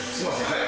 はい。